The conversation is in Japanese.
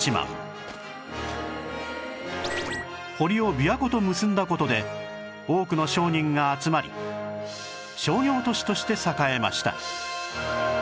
堀を琵琶湖と結んだ事で多くの商人が集まり商業都市として栄えました